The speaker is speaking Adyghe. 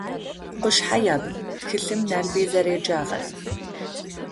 «Къушъхьэ ябг» тхылъым Налбый зэреджагъэр.